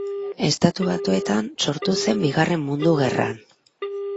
Estatu Batuetan sortu zen Bigarren Mundu Gerran.